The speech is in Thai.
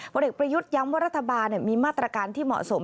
ผลเอกประยุทธ์ย้ำว่ารัฐบาลมีมาตรการที่เหมาะสม